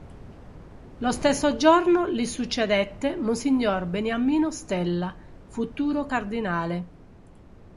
Lo stesso giorno gli succedette monsignor Beniamino Stella, futuro cardinale.